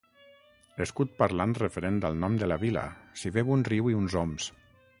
Escut parlant referent al nom de la vila: s'hi veu un riu i uns oms.